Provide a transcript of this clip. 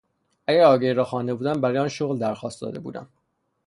اگر آگهی را خوانده بودم برای آن شغل درخواست داده بودم.